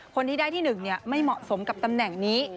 คนที่ได้ที่หนึ่งเนี่ยไม่เหมาะสมกับตำแหน่งนี้